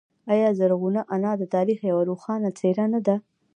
آیا زرغونه انا د تاریخ یوه روښانه څیره نه ده؟